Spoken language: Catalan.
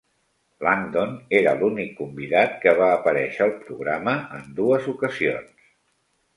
Langdon era l'únic convidat que va aparèixer al programa en dues ocasions.